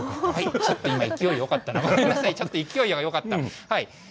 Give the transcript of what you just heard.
ちょっと勢いがよかった。